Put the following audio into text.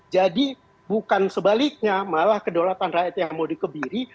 jadi bukan sebaliknya malah kedaulatan rakyat yang mau dikebiri